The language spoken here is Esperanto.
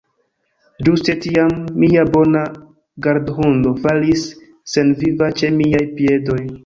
Ĝuste tiam, mia bona gardhundo falis senviva ĉe miaj piedoj.